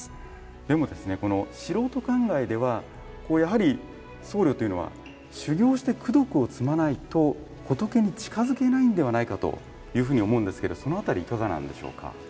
でもですね、素人考えではやはり僧侶というのは修行して功徳を積まないと仏に近づけないのではないかというふうに思うんですけどその辺りはいかがなんでしょうか。